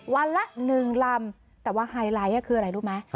วันละ๑ลำแต่ว่าไฮไลท์คืออะไรรู้ไหม